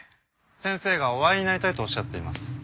先生がお会いになりたいとおっしゃっています。